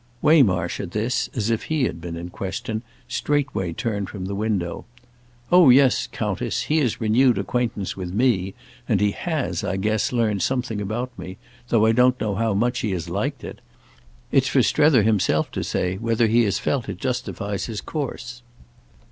Waymarsh, at this, as if he had been in question, straightway turned from the window. "Oh yes, Countess—he has renewed acquaintance with me, and he has, I guess, learnt something about me, though I don't know how much he has liked it. It's for Strether himself to say whether he has felt it justifies his course."